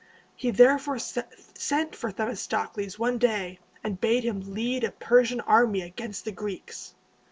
He therefore sent for Themistocles one day, and bade him lead a Persian army against the Greeks.